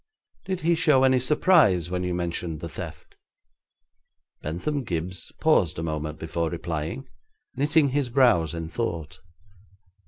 'Did he show any surprise when you mentioned the theft?' Bentham Gibbes paused a moment before replying, knitting his brows in thought.